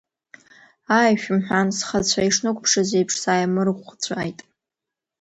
Аа, ишәымҳәан, схацәа ишнықәыԥшыз еиԥш, сааимырӷәцәааит!